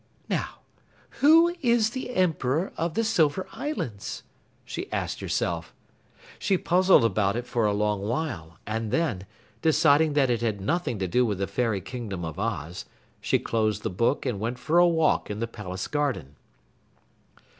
"Now who is the Emperor of the Silver Islands?" she asked herself. She puzzled about it for a long while, and then, deciding that it had nothing to do with the Fairy Kingdom of Oz, she closed the book and went for a walk in the palace garden.